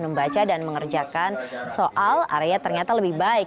mampu membaca dan mengerjakan soal arya ternyata lebih baik